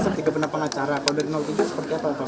setiap penampang acara kalau dari tujuh seperti apa